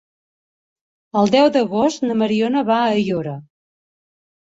El deu d'agost na Mariona va a Aiora.